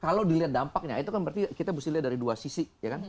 kalau dilihat dampaknya itu kan berarti kita harus dilihat dari dua sisi